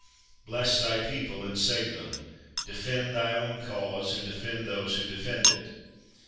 Bless Thy peo ple and save them. Defend Thy own cause, and defend those who defend it.